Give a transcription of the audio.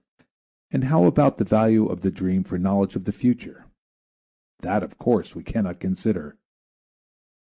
And how about the value of the dream for a knowledge of the future? That, of course, we cannot consider.